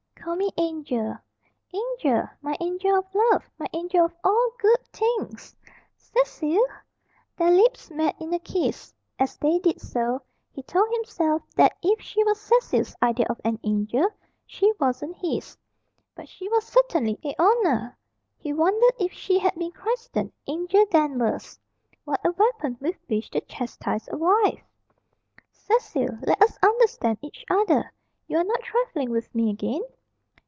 "Call me Angel." "Angel! My angel of love! My angel of all good things!" "Cecil!" Their lips met in a kiss. As they did so, he told himself that if she was Cecil's idea of an angel, she wasn't his. But she was certainly a "oner." He wondered if she had been christened "Angel" Danvers. What a weapon with which to chastise a wife! "Cecil, let us understand each other. You are not trifling with me again?"